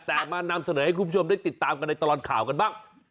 แต่มานำเสนอให้คุณผู้ชมได้ติดตามกันในตลอดข่าวกันบ้าง